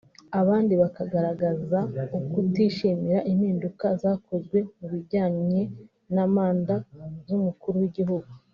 abandi bakagaragaza ukutishimira impinduka zakozwe mu bijyanye na manda z’umukuru w’igihugu